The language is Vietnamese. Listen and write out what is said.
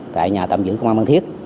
tại nhà tạm dưỡng công an bàn thiết